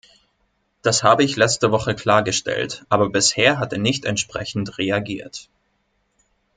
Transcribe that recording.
Das habe ich letzte Woche klargestellt, aber bisher hat er nicht entsprechend reagiert.